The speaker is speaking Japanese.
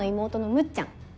むっちゃん